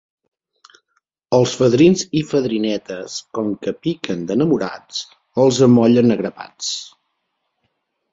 Els fadrins i fadrinetes, com que piquen d'enamorats, els amollen a grapats.